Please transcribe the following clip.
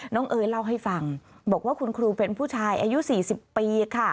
เอ๋ยเล่าให้ฟังบอกว่าคุณครูเป็นผู้ชายอายุ๔๐ปีค่ะ